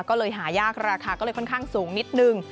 ก็เลยหายากราคาก็เลยค่อนข้างสูงนิดนึง